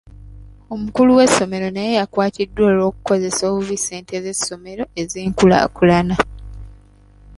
Omukulu w'essomero naye yakwatiddwa olw'okukozesa obubi ssente z'essomero ez'enkulaakulana.